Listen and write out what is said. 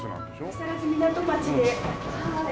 木更津港町ではい。